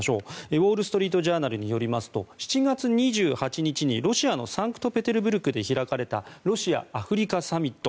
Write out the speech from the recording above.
ウォール・ストリート・ジャーナルによりますと７月２８日に、ロシアのサンクトペテルブルクで開かれたロシア・アフリカサミット。